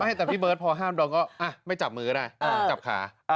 ให้แต่พี่เบิร์ตพอห้ามโดนก็ไม่จับมือก็ได้จับขา